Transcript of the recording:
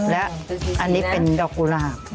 และอันนี้เป็นดอกกุหลาบ